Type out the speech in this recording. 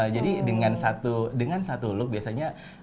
jadi dengan satu look biasanya